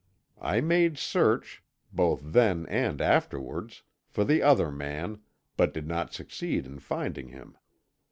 I made search, both then and afterwards, for the other man, but did not succeed in finding him.